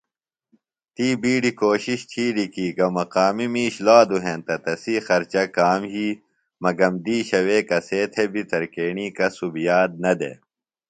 تی بِیڈیۡ کوشِش تِھیلیۡ کی گہ مقامی مِیش لادُوۡ ہینتہ تسی خرچہ کام یھی مگم دِیشہ وے کسے تھےۡ بیۡ ترکیݨی کسُب یاد نہ دےۡ۔